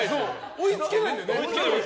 追いつけないんですよね。